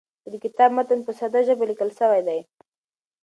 د کتاب متن په ساده ژبه لیکل سوی دی.